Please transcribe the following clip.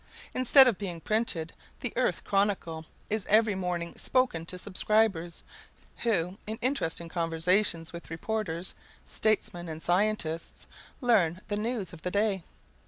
Instead of being printed, the Earth Chronicle is every morning spoken to subscribers, who, in interesting conversations with reporters, statesmen, and scientists, learn the news of the day.